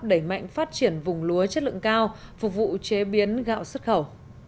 đẩy mạnh phát triển vùng lúa chất lượng cao phục vụ chế biến gạo xuất khẩu